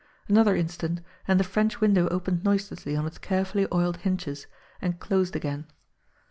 An other instant, and the French window opened noiselessly on its carefully oiled hinges, and closed again.